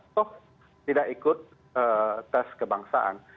toh tidak ikut tes kebangsaan